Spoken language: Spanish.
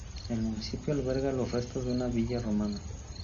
El municipio alberga los restos de una villa romana.